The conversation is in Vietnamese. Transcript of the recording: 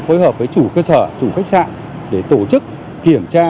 phối hợp với chủ khách sạn để tổ chức kiểm tra